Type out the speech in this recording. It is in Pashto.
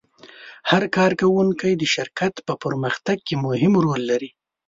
هر کارکوونکی د شرکت په پرمختګ کې مهم رول لري.